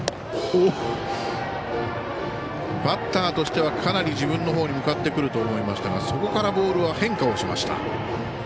バッターとしてはかなり自分のほうに向かってくると思いましたがそこからボールは変化しました。